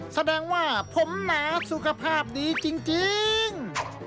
แสดงว่าผมหนาสุขภาพดีจริง